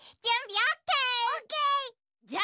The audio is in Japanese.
オッケー。